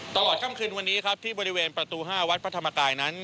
ตลอดค่ำคืนวันนี้ครับที่บริเวณประตู๕วัดพระธรรมกายนั้น